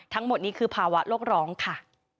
ทั้งหมดนี้คือภาวะโลกร้องค่ะ